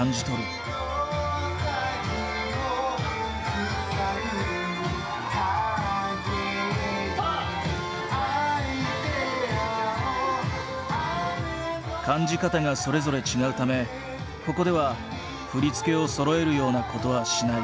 「塞ぐ影にアイデアを」感じ方がそれぞれ違うためここでは振り付けをそろえるようなことはしない。